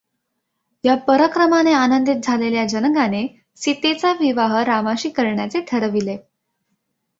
या पराक्रमाने आनंदित झालेल्या जनकाने सीतेचा विवाह रामाशी करण्याचे ठरविले.